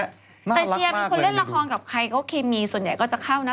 น่ารักมากเลยแต่เชียนมีคนเล่นละครกับใครก็เคมีส่วนใหญ่ก็จะเข้านะ